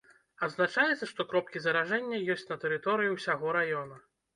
Адзначаецца, што кропкі заражэння ёсць на тэрыторыі ўсяго раёна.